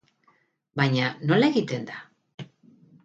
Baina, nola egiten da?